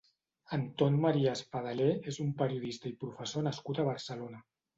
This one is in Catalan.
Anton Maria Espadaler és un periodista i professor nascut a Barcelona.